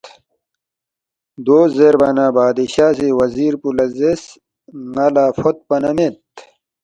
دو زیربا نہ بادشاہ سی وزیر پو لہ زیرس، ”ن٘ا لہ فوتپا نہ مید